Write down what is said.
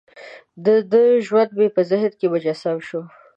دده ژوند مې په ذهن کې مجسم شو.